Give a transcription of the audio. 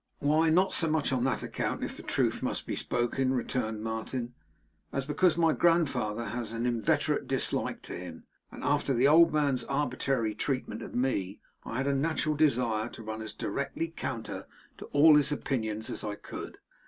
'Why, not so much on that account, if the truth must be spoken,' returned Martin, 'as because my grandfather has an inveterate dislike to him, and after the old man's arbitrary treatment of me, I had a natural desire to run as directly counter to all his opinions as I could.